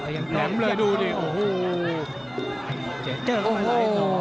แหลมเลยดูดิโอ้โฮ